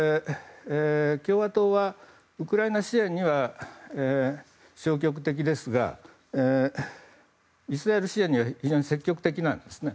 共和党は、ウクライナ支援には消極的ですがイスラエル支援には非常に積極的なんですね。